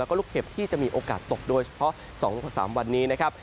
แล้วก็ลูกเห็บที่จะมีโอกาสตกโดยเฉพาะ๒๓วันนี้นะครับ